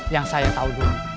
yang saya tahu dulu